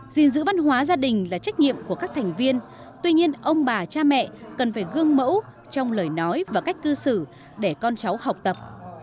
gìn giữ văn hóa gia đình là trách nhiệm của các thành viên tuy nhiên ông bà cha mẹ cần phải gương mẫu trong lời nói và cách cư xử để con cháu học tập